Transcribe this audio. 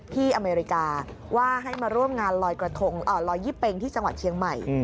อเมริกาว่าให้มาร่วมงานลอยกระทงลอยยี่เป็งที่จังหวัดเชียงใหม่